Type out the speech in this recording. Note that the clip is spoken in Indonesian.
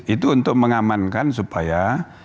itu untuk mengamankan supaya